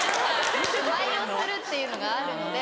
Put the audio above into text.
舞いをするっていうのがあるので。